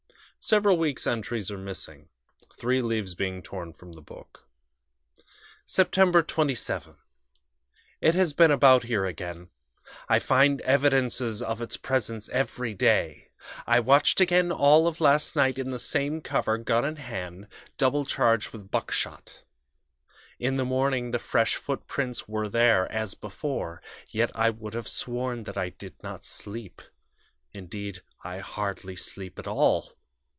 ..." Several weeks' entries are missing, three leaves being torn from the book. "Sept. 27. It has been about here again I find evidences of its presence every day. I watched again all of last night in the same cover, gun in hand, double charged with buckshot. In the morning the fresh footprints were there, as before. Yet I would have sworn that I did not sleep indeed, I hardly sleep at all.